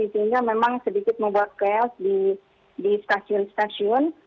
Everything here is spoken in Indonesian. sehingga memang sedikit membuat chaos di stasiun stasiun